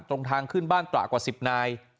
ตรงทางขึ้นบ้านตระกว่า๑๐นาย